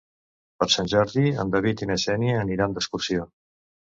Per Sant Jordi en David i na Xènia aniran d'excursió.